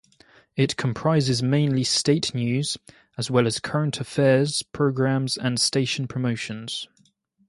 It comprises mainly state news, as well as current affairs programs and station promotions.